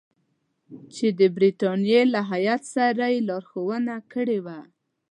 چې د برټانیې له هیات سره یې لارښوونه کړې وه.